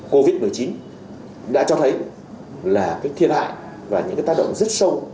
covid một mươi chín đã cho thấy là các thiên hại và những tác động rất sâu